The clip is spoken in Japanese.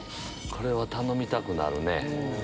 これは頼みたくなるね。